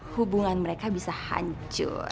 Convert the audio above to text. hubungan mereka bisa hancur